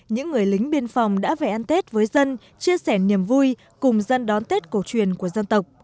những người lính biên phòng đã về ăn tết với dân chia sẻ niềm vui cùng dân đón tết cổ truyền của dân tộc